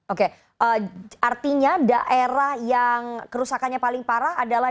oke artinya daerah yang kerusakannya paling parah adalah